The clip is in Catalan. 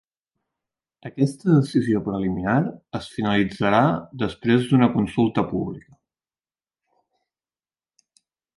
Aquesta decisió preliminar es finalitzarà després d'una consulta pública.